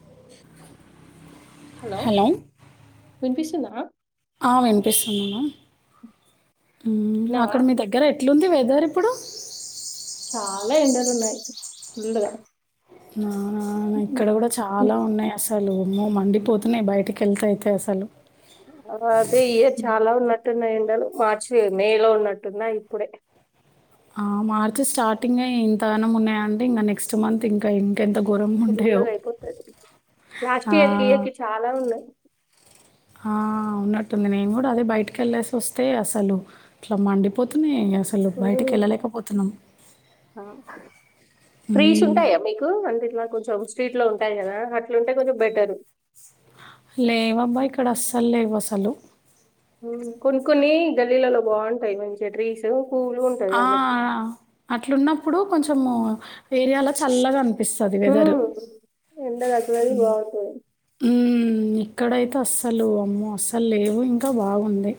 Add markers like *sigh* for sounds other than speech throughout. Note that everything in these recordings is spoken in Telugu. *inaudible* హలో వినిపిస్తుందా? ఆ వినిపిస్తున్నానా విన్నావా అక్కడ మీ దగ్గర ఎట్లుంది వె దరిప్పుడు చాలా ఎండలు ఉన్నాయి. ఫుల్లుగా నానా ఇక్కడ కూడా చాలా ఉన్నాయి అసలు అమ్మో మండిపోతున్నాయి బయటికి కెళ్తే అయితే అసలు అ అదే ఇయర్ చాలా ఉన్నట్టున్నాయండీ ఎండలు మార్చి మే లో ఉన్నట్టున్నాయి ఇప్పుడే ఆ మార్చి స్టార్టింగ్ ఏ ఇంతగనం ఉన్నాయంటే ఇగ నెక్స్ట్ మంత్ ఇంకా ఎంత గోరంగా ఉంటాయో ఫుల్గా అయిపోతుంది లాస్ట్ ఆ ఇయర్ కి ఇయర్ కి చాలా ఉన్నాయి ఆ ఉన్నట్టుంది నేను కూడా అదే బయటకి వెళ్లేసి వస్తే అసలు ఇట్లా మండిపోతున్నాయి అసలు బయటికి వెళ్ళలేకపోతున్నాం ట్రీస్ మ్మ్. ఉంటాయా మీకు అంటే ఇట్లా కొంచెం స్ట్రీట్ లో ఉంటాయి కదా అట్లుంటే కొంచెం బెటరు లేవబ్బా ఇక్కడ అస్సలు లేవు అసలు కొన్ని కొన్ని గల్లీలలో బాగుంటాయి మంచిగా ట్రీస్ కూల్గా ఉంటుంది ఆ వాళ్ళకి అట్లున్నప్పుడు కొంచము ఏరియాలో చల్లగా అనిపిస్తుంది వెదరు ఎండలకు రక్కలది బాగుతది హ్మ్ ఇక్కడైతే అస్సలు అమ్మో అస్సలు లేవు ఇంకా బాగుందయి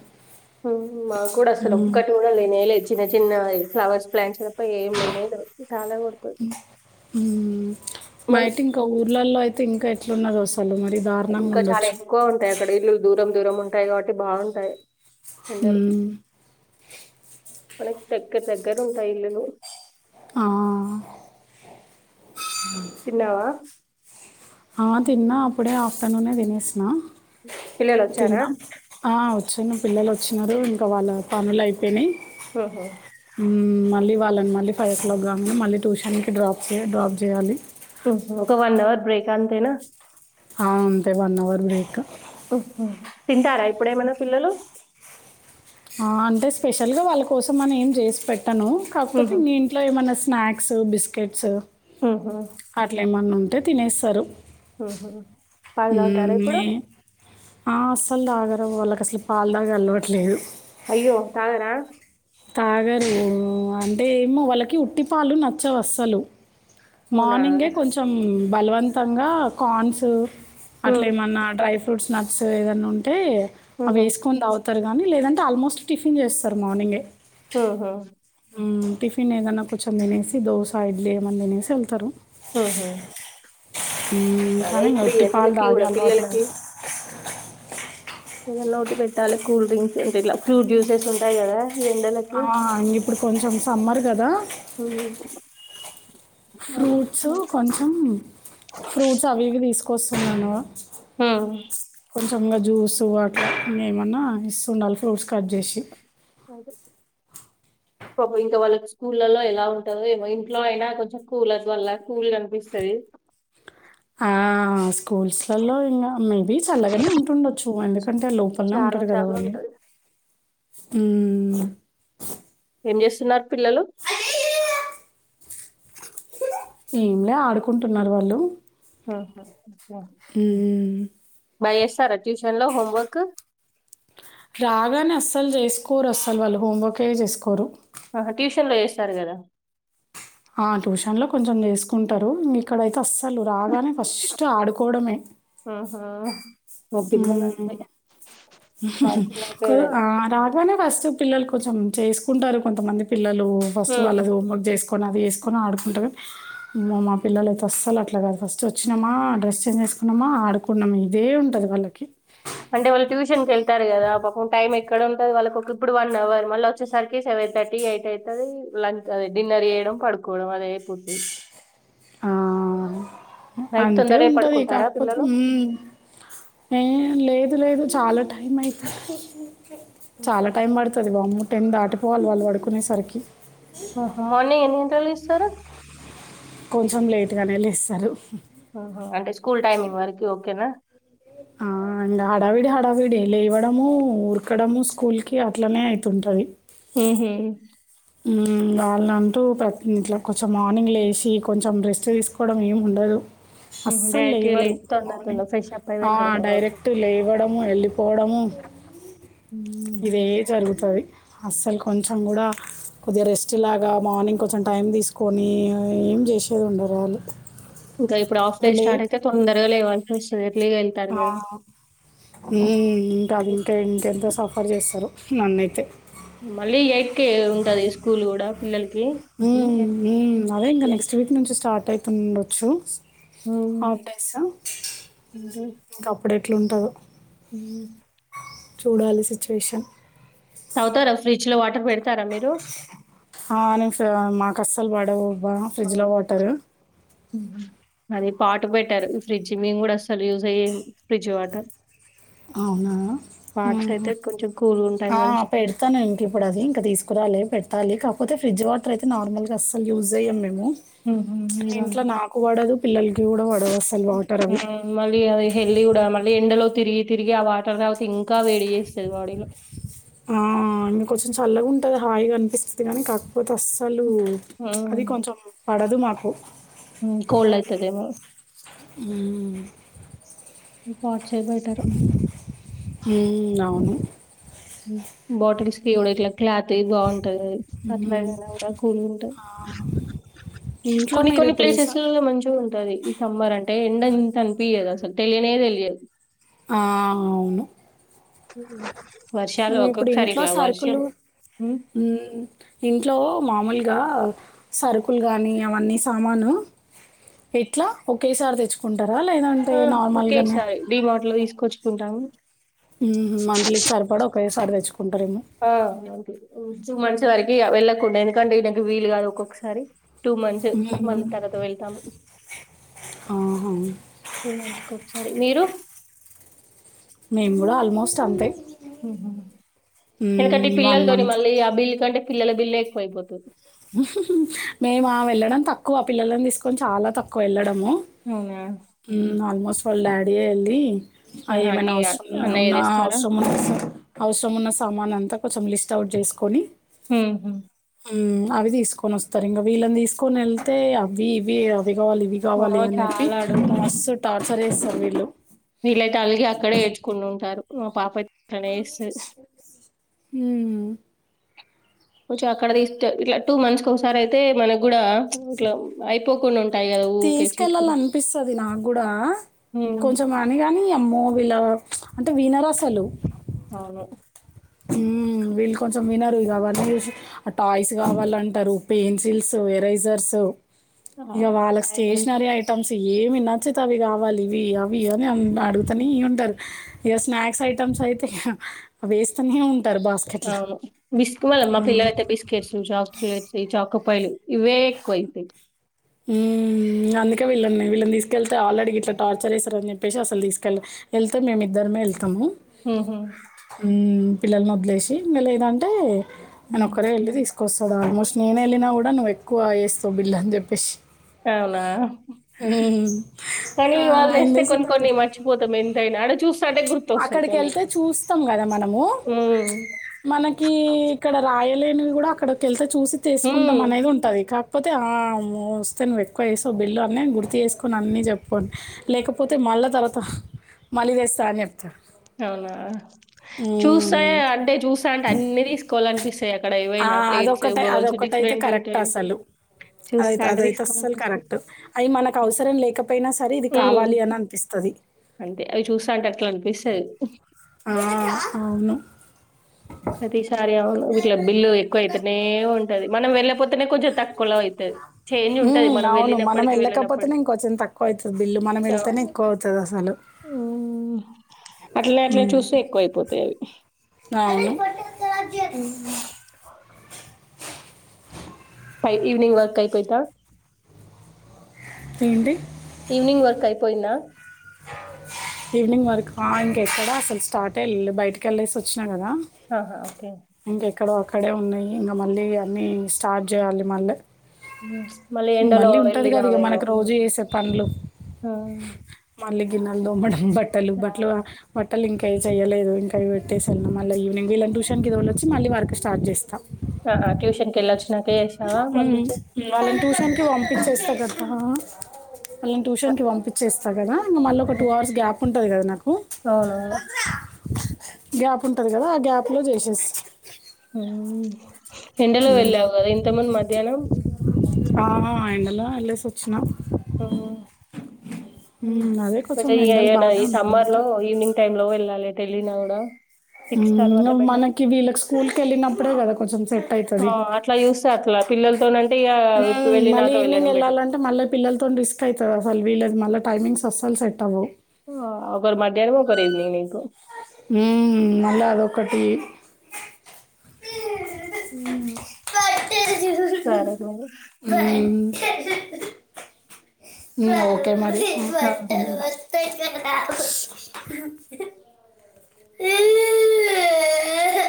మాకు కూడా అసలు ఒక్కటి కూడా లేనే లేదు చిన్న చిన్న ఫ్లవర్స్ ప్లాంట్స్ ఏం లేని లేవు చాలా కుడుతుంది మా అయితే ఇంకా ఊర్లల్లో అయితే ఇంకా ఎట్లున్నద వస్తుంది ఇంకా చాలా ఎక్కువ ఉంటాయి అక్కడ ఇల్లులు దూరం దూరం ఉంటాయి కాబట్టి బాగుంటాయి ఎండలు ఉమ్ మనకి దగ్గ దగ్గర ఉంటాయి ఇల్లులు ఆ తిన్నావా ఆ తిన్నా అప్పుడే ఆఫ్టర్నూనే తినేసిన పిల్లలు వచ్చారా తిన్నా ఓకే న్న పిల్లలు వచ్చినారు ఇంకా వాళ్ళ పనులు అయిపోయినాయి హహ మళ్ళీ వాళ్ళని మళ్ళీ ఫైవ్ ఓ క్లాక్ కానీ మళ్ళీ ట్యూషన్కి డ్రాప్ చే డ్రాప్ చేయాలి ఒక వన్ అవర్ బ్రేక్ అంతేనా ఆ అంతే వన్ అవర్ బ్రేక్ తింటారా ఇప్పుడేమనా పిల్లలు అంటే స్పెషల్గా వాళ్ళ కోసం అని ఏం చేసి పెట్టాను కాకపోతే ఉహు. ఇంకా ఇంట్లో ఏమన్నా స్నాక్స్ బిస్కెట్స్ ఉహు. అట్లా ఏమన్నా ఉంటే తినేస్తారు హహ మ ఆ అస్సలు దాగరూ వాళ్ళకి అసలు పాలు తాగి అలవాటు లేదు అయ్యో తగర తాగరు అంటే ఏమో వాళ్ళకి ఉట్టి పాలు నచ్చవు అస్సలు అవునా మార్నింగే కొంచెం బలవంతంగా కార్న్స్ ఉహు. అట్లే ఏమన్నా డ్రై ఫ్రూట్స్ నట్స్ ఏదన్నా ఉంటే అవి ఉహు. వేసుకొని అవుత కానీ లేదంటే ఆల్మోస్ట్ టిఫిన్ చేస్తారు మార్నింగే హహా టిఫిన్ ఏదైన్నా కొంచం తినిసి దోస ఇడ్లీ ఏమైన్నా తినేసి వెళ్తారు హహ అనీ ఒట్టి పాల తగే కూడా అలట్లేదు పిల్లలకి ఇద ఓటి పెట్టాలి కూల్ డ్రింక్స్ ఉంటా ఇట్లా ఫ్రూట్ జ్యూసెస్ ఉంటాయి కదా ఈ ఎండలకి ఆ ఇప్పుడు కొంచెం సమ్మర్ కదా హ ఫ్రూట్స్ కొంచెం ఫ్రూట్స్ అవివి తీసుకొస్తున్నానువా హ కొంచెంగా జ్యూస్ వాటర్ ఇ ఏమన్నా ఇస్తు ఉండాలి ఫ్రూట్స్ కట్ చేసి అదే. ఇంకా వాళ్ళకి స్కూళ్ళలో ఎలా ఉంటదో ఏమో ఇంట్లో అయినా కొంచెం కూలర్స్ వల్ల కూల్ గా కనిపిస్తుంది ఆ స్కూల్స్లలో ఇంకా మేబి చల్లగానే ఉంటుండొచ్చు ఎందుక్ అంటే లోపల్నే చాలా ఉంటాడ్ కదా చాలా వాళ్ళు ఉంటది ఏం చేస్తున్నారు పిల్లలు ఏంలే ఆడుకుంటున్నారు వాళ్ళు ఆహ య మ్మ్ మ్మ్ బా చేస్తారా ట్యూషన్లో హోంవర్క్ రాగానే అస్సల్ చేసుకోరు అస్సల్ వాళ్ళు హోంవర్కే చేసుకోరు ఆ ట్యూషన్ లో చేస్తారు కదా ఆ ట్యూషన్ లో కొంచం చేసుకుంటారు ఇక్కడైతే అస్ అలు రాగానే ఫస్ట్ ఆడుకోవడమే ఉహు. మా పిల్లలు మ్మ్ అంతే ఆడుకున్నాక కో ఏదైనా రాగానే ఫస్ట్ పిల్లల్క్ కొంచం చేసుకుంటారు కొంతమంది పిల్లలు ఫస్ట్ ఉమ్. వాళ్ళది హోమ్వర్క్ చేస్ పోన్ అది వేసుకొని ఆడుకుంటా మా పిల్లయితే వస్తారు అట్లా కాదు ఫస్ట్ వచ్చినామా డ్రస్ చేంజ్ చేస్ కున్నామా ఆడుకున్నాము ఇదే ఉంటది వాళ్ళకి అంటే వాళ్ళు ట్యూషన్కి వెళ్తారు కదా పాపం టైం ఎక్కడ ఉంటంది వాళ్ళకి ఒక ఇప్పుడు వన్ అవర్ మళ్ళ వచ్చేసరికి సెవెన్ థర్టీ ఎయిట్ అయితది లంచ్ అదే డిన్నర్ వయడం పడుకోవడం అదే అయిపోతది ఆ అంతే తొందరగా ఉంటది పడుకుంటారా కాకపోతే పిల్లలు మ్మ్ ఏ లేద్ లేదు చాలా టై అయి చాలా ఓకే. టైం పడుతుంది వామ్మో టెన్ దాటిపోవాలి వాళ్ళు పడుకునేసరికి ఆహ మార్నింగ్ ఎన్నింటలు లేస్తారు కొంచం లేట్ గానే లేస్తారు ఆహా అంటే స్కూల్ టైమింగ్ వరకి ఓకేనా ఆ అండ్ హడావిడి హడావిడి ఎ లే ఇవడము ఉఊర్కడము స్కూల్కి అట్లనే అయితు ఉంటది మ్హు మ్మ్ వాళ్ళ అంటూ ఇట్లా కొంచం మార్నింగ్ లేసి కొంచం రెస్ట్ తీసుకోవడం ఏమి ఉండదు అస్సల్ డైరెక్ట్ లేవరు లేచి తొందర మార్నింగ్ తొందర ఫ్రెష్ అప్ అయి ఆ వెళ్ళడమే రోజు డైరెక్ట్ లేవడము ఎళ్ళిపోవడము ఉం ఉమ్. ఇదే జరుగుతది అస్సల్ కొంచం కూడా కొద్దిగా రెస్ట్ లాగా మార్నింగ్ కొంచం టైం తీసుకొని ఏం చేసేది ఉండరు వాళ్ళు ఇంకా ఇప్పుడు ఆఫ్ డే స్టార్ట్ లేట్ అయితే తొందరగా లేవల్సి అస్తది ఆ మ్మ్ ఇంకా ఇంక ఇంక్ ఎంత సఫ్ పడ్ చేస్తారు నన్నుయితే మళ్ళీ యైట్కే ఉంటది స్కూల్ కూడా పిల్లలకి మ్మ్ మ్మ్ అదే ఇంకా నెక్స్ట్ వీక్ నుంచి స్టార్ట్ అయితుండొచ్చు ఎయిట్ ఆఫడేస్స ఇంక అప్పుడు ఎట్లుంటదో మ్మ్ చూడాలి సిచ్యువేషన్ తవుతారా ఫ్రిజ్ లో వాటర్ పెడ్ ఆ నన్సు మాక్ ఆ అస్సాల్ బాడవు వా ఫ్రిడ్జ లో అవునా. వాటరు ఉహు. అది పాటు బెట్టర్ ఫ్రిడ్జ్ మేము కూడా అస్సల్ యూజే చేయ్యం ఫ్రిడ్జ్ వాటర్ అవునా పాట్స్ ఉమ్ అయితే కొంచెం కూల్ ఉంటాయి ఆ కదా పెడతాను ఇంక ఇప్పుడు అది ఇంకా తీసుకురాలి పెడతాలి కాకపోతే ఫ్రిడ్జ్ వాటర్ అయితే నార్మల్గా అసలు యూజ్ చేయ్యం మేము ఉహు ఇంట్లో మీరండి నాకు వాడదు పల్లల్కి కూడా వాడవ్ అవ్ మళ్ళీ అది హళ్లి కూడా మళ్ళీ ఎండలో తిరిగి తిరిగి ఆ వాటర్ తాగుతే ఇంకా వేడి చేస్తది బాడీలో ఉమ్మ్ అందుకోసం చెప్ చల్లగా ఉంటుది హాయిగా అనిపిస్తుంది కానీ కాకపోతే అస్సలు ఉమ్ అది కొంచం పడద్ వద్దు మాకు ఉ కోల్డ్ అయితది ఏమో ఊ పాట్సే బెటర్ ఉ అవును ఉ బాటిల్స్కి కూడా ఇట్లా క్లాథీ బాగుంటాది హ్మ్. అట్లాగైనా కూడా కూల్ ఉంటాయి ఇంట్లో కొన్ని కొన్ని మీరిప్పుడు స ప్లేసెస్ లోనే మంచు టది ఈ సమ్మర్ అంటే ఎండ ఇంత అనిపయదు అసలు తెలియనే తెలియదు ఆ అవును హు ఇప్పుడు ఇంట్లో సరుకులు ఉమ్, ఊ ఇంట్లో మామూలుగా లుగా సరుకులు కానీ అవన్నీ సామాను ఎట్లా ఒకేసారి తెచ్చుకుంటు ఆ ఒకేసారి డిమార్ట్ లో తీసుకొచ్చుకుంటాము ఉహు మంత్లీకి సరిపడా ఒకేసారి తెచ్చుకుంటారేమో ఆ అంతే. టూ మంత్స్ వరకి వెళ్ళకుండా ఎందుకంటే ఈయనకు వీలు కాదు ఒక్కొక్కసారి టూ మంత్స్ మ్మ్. మళ్ళీ తర్వాత వెళ్తాము ఆహా. టూ మంత్స్ కు ఒకసారి మీరు మేము కూడా ఆల్మోస్ట్ అంతే ఊహ ఎందుకంటే ఈ వన్ పిల్లలతోని మంత్ మళ్ళీ ఆ బిల్లు కంటే పిల్లల బిల్లు ఎక్కువ ఇపోతాది మేమ ఆ వెళ్ళడం తక్కువ ఆ పిల్లని తీసుకొని చాలా తక్కువ వెళ్ళడం మో అవునా ఊ అల్మోస్ట్ వాళ్ళ డాడి ఎ వెళ్ళి అ ఆహా, ఏమైనా అన్ని అవసరం అన్నయ్య ఉన్న తెస్తారా అవసరం ఉన్న అవసరం ఉన్న సామాన్ అంతా కొంచెం లిస్ట్ అవుట్ చేసుకొని ఉహు అవి తీసుకొని వస్తారు ఇంగా వీళ్ళని తీసుకొని వెళ్తే అవి ఇవి అది కావాలి ఇదవి ఓ కావాలి అని చెప్పి చాలా మస్త్ టార్చర్ చేస్తారు వీళ్ళు వీళ్ళైయితే అలిగి అక్కడే ఏడ్చుకుంటూ అట్లనే వునా చేస్తది. కొంచెం అక్కడదిస్తే ఇట్లా టూ మంత్స్ ఒకసారి అయితే మనకు కూడా ఇట్లా అయిపోకుండా ఉం తీసుకెళ్ళలాల అనిపిస్తది నాకు కూడా హ్మ్. కొంచెం అని గానీ అమ్మో వీళ్ళ అంటే వీనరు అసలు అవును ఊ వీళ్ళు కొంచెం వినరు ఇగా అవన్నీ చూసి టాయ్స్ కావాలంటారు పెన్సిల్స్ ఎరైజర్స్ ఆ! ఇగ వాళ్ళ రాయడంతో స్టేషనరీ ఐటమ్స్ ఏమి నచ్చితే అవి కావాలి ఇవి అవి అని అడుగుతనే ఉంటారు ఇక స్నాక్స్ ఐటమ్స్ అయితే అ వేస్ అవును బిస్క్ వల్ల మా పిల్ల అయితే బిస్కెట్స్ చాకెట్స్ చాకో పైలు ఇవే ఎక్కువై పోయి ఊ అందుకే వీళ్ళని వీళ్ళని తీకెళ్తే ఆల్రెడీ ఇట్లా టార్చర్ చేస్తారని చెప్పసి అసలు తీసుకెళ్ళి వెళ్తే మేమే ఇద్దరు మేమే వెళ్తాము ఉహు మ్మ్ పిల్లల్ని వదిలేసి ఇంగ లేదంటే ఆయన హ్మ్. ఒక్కరే వెళ్ళి తీసుకును వస్తాడు ఆల్మోస్ట్ నేను వెళ్ళిన కూడా నువ్వు ఎక్కువ చేస్తావ్ బిల్ అని చెప్పసి అవునా కానీ వాళ్ళు ఆయన వస్తే కొన్ని చేసింది అక్కడ కొన్ని మర్చిపోతాం ఎంతైనా అడు అక్కడికి వెళ్తే చూస్తాం కదా మనము హ్మ్. మనకి ఇక్కడ రాయలేనివి కూడా అక్కడకి వెళ్తే చూసి హ్మ్. తీసుకుంటాం అనేది ఉంటది కా కాకపోతే ఆ మస్తని ఎక్కువ వేస బిల్లు అన్న గుర్తు చేేసుకొని అన్నీ చెప్పుకోండి లేక *unintelligible* పోతే మా మళ్ళ తర్వాత మళ్ళీ చేస్తా అని చె అవునా చూస్తే ఉమ్, అంటే చూసా అంటే అన్ని తీసుకోవాలి అనిపిస్తాయి అక్కడ ఆ, ఏవైనా ప్లేట్స్ అదొకటే బౌల్స్ డిఫరెం అదొకటైతే కరెక్ట్ అసలు అది ఆయితే అంటే అది అయితే అసల్లు తీసుకోవాలనిపిస్తుంది కరెక్ట్ అయ్యి మనకు అవసరం లేకపో పోయిన సరే ఇది ఉమ్, కావాలని అని అనిపిస్తధి అంతే అవి చూస్తా అంటే *inaudible* ఆ అవును ప్రతిసారి అవును వీటిలో బిల్లు ఎక్కువ అయితేనే ఉంటది మనం వెళ్ళపోతే పక్కనే కొంచెం తక్కువలో ఐతది చేంజ్ ఉంటది ఉమ్, మనం అవును మనం వెళ్ళినప్పటికి వెళ్ళకపోతేనే వెళ్ళనప్పటికీ ఇంకొంచెం తక్కువ అవుతుంది బిల్లు మనం వెళ్తేనే ఎక్కువ అవుతది అసలు ఊమ్ అట్లే అట్లే చూస్తే ఎక్కువయిపోతాయి అవి అవును ఊమ్ ఫై ఇవినింగ్ వర్క్ ఐపోయిదా ఏంటి ఈవినింగ్ వర్క్ అయిపోయిందా ఈవినింగ్ వరకు ఆ ఇంకెక్కడ అసలు స్టార్ట్ ల్ బయటకి కెళ్ళేసి ఒచ్చిన గదా ఆహా ఓకే ఇంక ఎక్కడో అక్కడే ఉన్నాయి ఇంగ మళ్ళీ అన్నీ స్టార్ట్ జేయాలి మళ్ళీ ఊమ్ మళ్ళీ ఉంటది గదా ఇగ మనకి రోజు జేసే పనులు ఉమ్. మళ్ళీ గిన్నెలు దోమ్మడం బట్టలు ఆ! బట్టల బట్టలు ఇంక ఏవి చేయలేదు ఇంకా ఇవి వెట్టేసి మళ్ళీ ఈవినింగ్ వీళ్ళని ట్యూషన్ కి తోలేసి మళ్ళీ వర్క్ స్టార్ట్ జేస్తా ఆహా! ట్యూషన్‌కెళ్ళొచ్చినాక చేసావా? ఊమ్ పంపించే వాళ్ళని ట్యూషన్కి వంపించేస్తా గదా వాళ్ళని అ టూషన్కి వంపించేస్తా గదా మళ్ళీ ఒక టూ అవర్స్ గ్యాప్ ఉంటది గదా నాకు అవునవును గ్యాప్ ఉంటది గదా ఆ గ్యాప్ లో జేసేస్ ఊమ్ ఎండలో వెళ్ళావు గదా ఇంతముందు మధ్యాహ్నం అలా ఏల్లేసొచ్చిన ఆ మా ఉమ్, అదే కొంచెం మరి ఎండలు ఇగ బాగానే ఈ ఉన్నాయి సమ్మర్ బయట లో ఈవినింగ్ టైమ్ లో వెళ్ళాలి ఎ ఎల్లినా గూడా తర్వాత ఊమ్ బెటర్. మనకి వీళ్ళకి స్కూల్కెళ్ళినప్పుడే కదా కొంచెం సెట్ అవుతుంది ఆ అట్లా యూస్తే అట్లా పిల్లలతోనై *unintelligible* ఊమ్ మళ్ళీ ఈవినింగ్ ఎళ్ళాలంటే మళ్ళీ పిల్లలతోని రిస్క్ ఐతది అసలు వీలది మళ్ళా టైమింగ్స్ అసల్ సెట్ అవవు ఆ ఒకరు మధ్యాహ్నం ఒకరు ఈవినింగ్ నీకు ఊమ్ మల్ల అదొక్కటి ఊమ్ ఊమ్ ఓకే ఆ! బాయ్. మరి *inaudible*